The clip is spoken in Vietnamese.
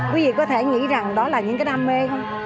quý vị có thể nghĩ rằng đó là những cái đam mê không